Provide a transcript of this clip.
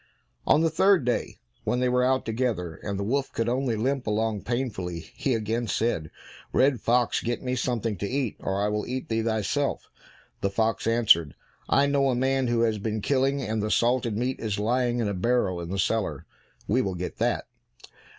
On the third day, when they were out together, and the wolf could only limp along painfully, he again said, "Red fox, get me something to eat, or I will eat thee thyself." The fox answered, "I know a man who has been killing, and the salted meat is lying in a barrel in the cellar; we will get that."